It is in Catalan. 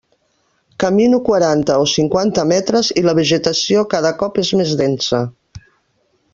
Camino quaranta o cinquanta metres i la vegetació cada cop és més densa.